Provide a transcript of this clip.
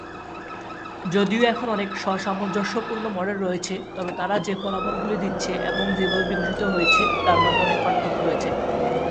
যদিও এখন অনেক স্ব-সামঞ্জস্যপূর্ণ মডেল রয়েছে, তবে তারা যে ফলাফলগুলি দিচ্ছে এবং যেভাবে বিকশিত হয়েছে, তার মাঝে অনেক পার্থক্য রয়েছে।